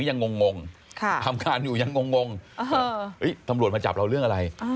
ยังงงทำงานอยู่ยังงงตำรวจมาจับเราเรื่องอะไร